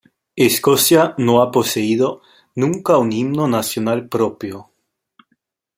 Escocia no ha poseído nunca un himno nacional propio.